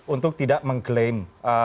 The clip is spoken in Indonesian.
untuk tidak mengklaim